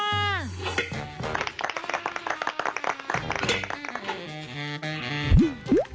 กินหน้าตาเฉยไม่บอกไปกล่าวใครเลย